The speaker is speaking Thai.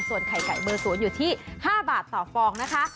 ส่วนไข่ไก่เบอร์๐อยู่ที่๕บาทต่อฟองนะคะ